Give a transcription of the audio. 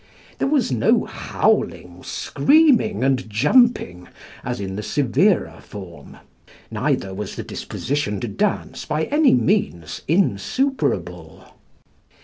There was no howling, screaming, and jumping, as in the severer form; neither was the disposition to dance by any means insuperable.